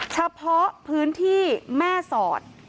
เฉพาะพื้นที่แม่สอด